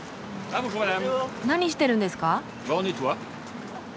何してるんですか？